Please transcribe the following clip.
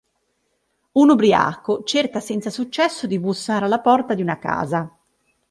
Un ubriaco, cerca senza successo di bussare alla porta di una casa.